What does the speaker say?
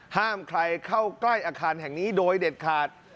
ห้ามใครเข้าใกล้อาคารแห่งนี้โดยเด็ดขาด